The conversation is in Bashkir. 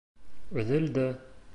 Өҙөлдө.